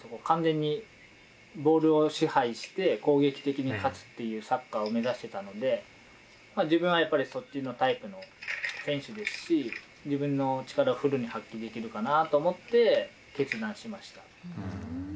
完全にボールを支配して攻撃的に勝つっていうサッカーを目指してたので自分はやっぱりそっちのタイプの選手ですし自分の力をフルに発揮できるかなと思って決断しました。